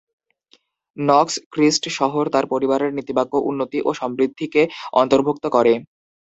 নক্স Christ শহর তার পরিবারের নীতিবাক্য 'উন্নতি ও সমৃদ্ধি'কে অন্তর্ভুক্ত করে।